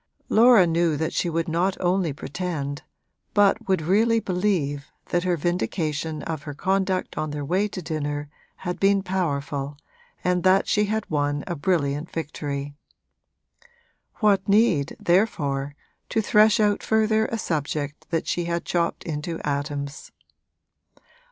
Laura knew that she would not only pretend, but would really believe, that her vindication of her conduct on their way to dinner had been powerful and that she had won a brilliant victory. What need, therefore, to thresh out further a subject that she had chopped into atoms?